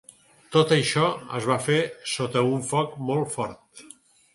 Tot això es va fer sota un foc molt fort.